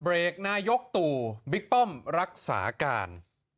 นายกตู่บิ๊กป้อมรักษาการ